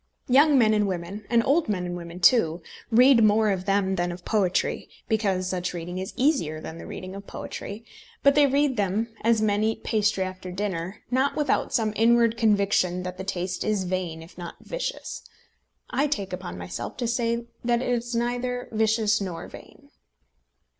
Young men and women, and old men and women too, read more of them than of poetry, because such reading is easier than the reading of poetry; but they read them, as men eat pastry after dinner, not without some inward conviction that the taste is vain if not vicious. I take upon myself to say that it is neither vicious nor vain.